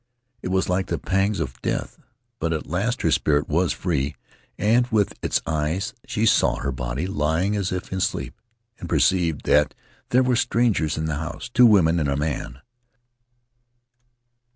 It was like the pangs of death, but at last her spirit was free and with its eyes she saw her body lying as if in sleep, and perceived that there were strangers in the house — two women and a man.